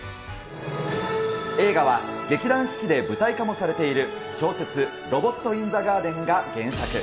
映画は劇団四季で舞台化もされている、小説、ロボット・イン・ザ・ガーデンが原作。